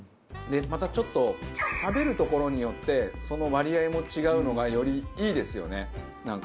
またちょっと食べるところによってその割合も違うのがよりいいですよねなんか。